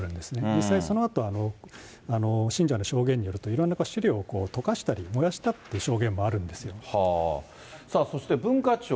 実際そのあと、信者の証言によると、いろんな資料を溶かしたり、燃やしたっていさあ、そして文化庁。